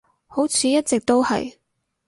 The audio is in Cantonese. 好似一直都係